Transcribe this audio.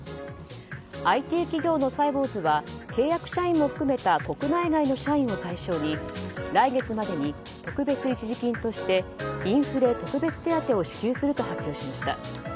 ＩＴ企業のサイボウズは契約社員も含めた国内外の社員を対象に来月までに特別一時金としてインフレ特別手当を支給すると発表しました。